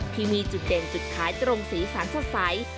ที่มีจุดเด่นจุดขายตรงสีสันสดใส